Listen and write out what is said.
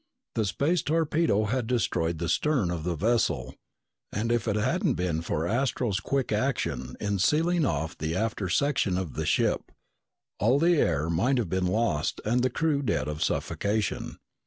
The space torpedo had destroyed the stern of the vessel, and if it hadn't been for Astro's quick action in sealing off the aftersection of the ship, all the air might have been lost and the crew dead of suffocation.